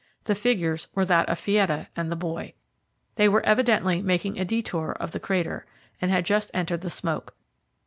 The figures were those of Fietta and the boy. They were evidently making a détour of the crater, and had just entered the smoke.